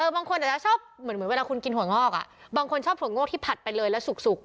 บางคนอาจจะชอบเหมือนเวลาคุณกินถั่วงอกบางคนชอบถั่วงอกที่ผัดไปเลยแล้วสุก